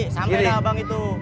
sampai lah abang itu